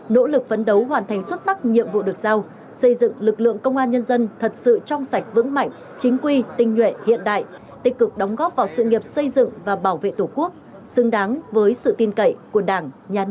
nỗ lực phấn đấu hoàn thành xuất sắc nhiệm vụ được giao xây dựng lực lượng công an nhân dân thật sự trong sạch vững mạnh chính quy tinh nhuệ hiện đại tích cực đóng góp vào sự nghiệp xây dựng và bảo vệ tổ quốc xứng đáng với sự tin cậy của đảng nhà nước